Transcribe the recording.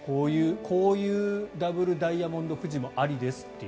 こういうダブルダイヤモンド富士もありですという。